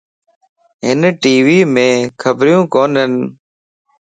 ھن ٽي ويئم خبريون ڪونين.